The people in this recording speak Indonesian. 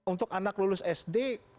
untuk anak lulus sd